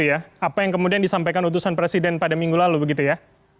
apa yang kemudian disampaikan utusan presiden pada minggu lalu begitu ya